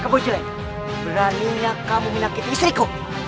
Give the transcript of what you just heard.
kebojelek beraninya kamu menakuti istriku